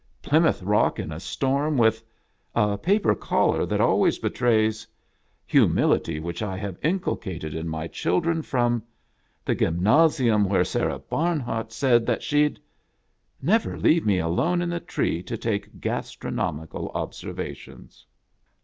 ..."" Plymouth Rock in a storm with ...." "A paper collar that always betrays ...."" Humility which I have inculcated in my children from ...." "The gymnasium, where Sarah Bernhardt said that she 'd ...."" Never leave me alone in the tree to take gaslro nomical observations."